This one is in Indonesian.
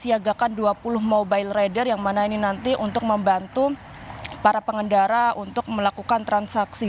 kemudian juga ada tujuh gardu satelit dan juga disiagakan dua puluh mobile rider yang mana ini nanti untuk membantu para pengendara untuk melakukan transaksi